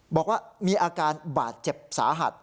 บอกว่ามีอาการบาดเจ็บสาหัส